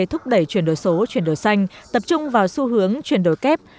thúc đẩy chuyển đổi số chuyển đổi xanh tập trung vào xu hướng chuyển đổi kép